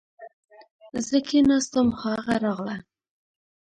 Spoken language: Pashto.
زه کښېناستم خو هغه راغله